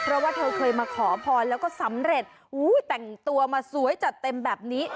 เพราะว่าเธอเคยมาขอพรแล้วก็สำเร็จแต่งตัวมาสวยจัดเต็มแบบนี้